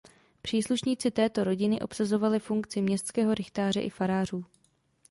Příslušníci této rodiny obsazovali funkci městského rychtáře i farářů.